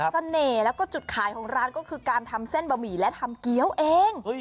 เสน่ห์แล้วก็จุดขายของร้านก็คือการทำเส้นบะหมี่และทำเกี้ยวเอง